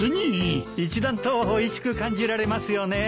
一段とおいしく感じられますよね。